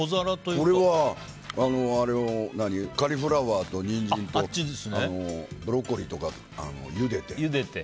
これは、カリフラワーとニンジンとブロッコリーとかをゆでて。